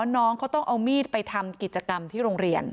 น้องเขาต้องเอามีดไปทำกิจกรรมที่โรงเรียน